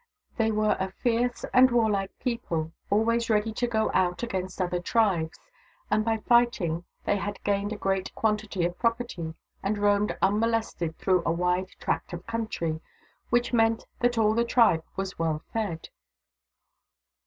They were a fierce and warlike people, always ready to go out against other tribes ; and by fighting they had gained a great quantity of property, and roamed unmolested through a wide tract of country — which meant that all the tribe was well fed.